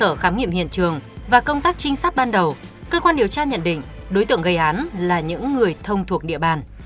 trong khi khám nghiệm hiện trường và công tác trinh sát ban đầu cơ quan điều tra nhận định đối tượng gây án là những người thông thuộc địa bàn